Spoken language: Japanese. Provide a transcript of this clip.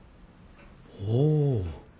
ほう。